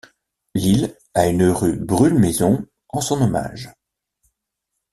Lille a une rue Brûle-Maison en son hommage.